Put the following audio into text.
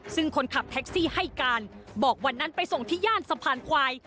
ซึ่งคนขับแท็กซี่ให้การบอกวันนั้นไปส่งที่ย่านสะพานควาย